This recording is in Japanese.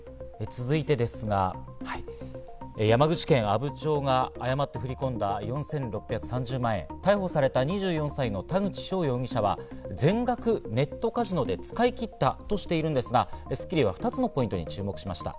続いてですが、山口県阿武町が誤って振り込んだ４６３０万円、逮捕された２４歳の田口翔容疑者は全額ネットカジノで使い切ったとしているんですが、『スッキリ』は２つのポイントに注目しました。